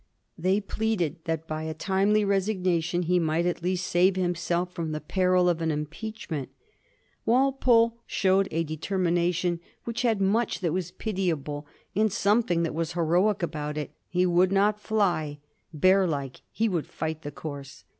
They pleaded that by a timely resignation he might at least save himself from the peril of an impeach ment. Walpole showed a determination which had much that was pitiable and something that was heroic about it. He would not fly — ^bear like, he would fight the course.